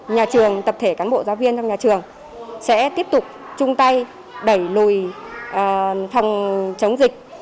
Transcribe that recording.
nhà trường tập thể cán bộ giáo viên trong nhà trường sẽ tiếp tục chung tay đẩy lùi phòng chống dịch